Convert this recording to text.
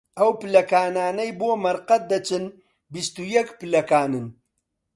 ئەو پلەکانانەی بۆ مەرقەد دەچن، بیست و یەک پلەکانن